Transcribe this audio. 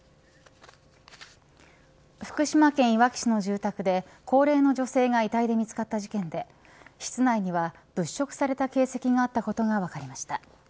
福島県いわき市の住宅で高齢の女性が遺体で見つかった事件で室内には物色された形跡があったことが分かりました。